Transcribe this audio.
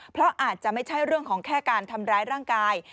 เพราะอาจจะไม่ใช่เรื่องของแค่การทำร้ายร่างกาย